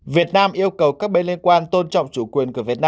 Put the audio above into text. việt nam yêu cầu các bên liên quan tôn trọng chủ quyền của việt nam